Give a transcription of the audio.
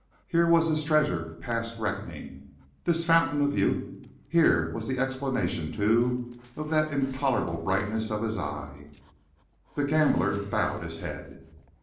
Here was his treasure past reckoning, this fountain of youth. Here was the explanation, too, of that intolerable brightness of his eye. The gambler bowed his head.